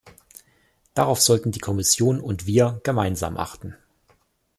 Darauf sollten die Kommission und wir gemeinsam achten.